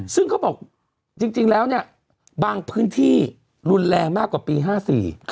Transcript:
ซึ่งเขาบอกจริงแล้วบางพื้นที่รุนแรงมากกว่าปี๑๙๕๔